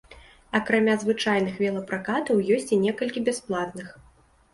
Акрамя звычайных велапракатаў, ёсць і некалькі бясплатных.